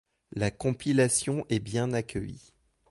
La compilation est bien accueillie.